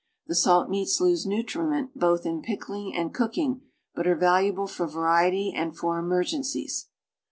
The salt meats lose nu triment both in pickling and cooking, but are valuable for variety and for emergencies.